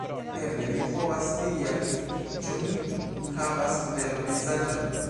Eble vi povas diri al mi: ĉu mi havas belan vizaĝon?